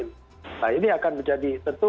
nah ini akan menjadi tentu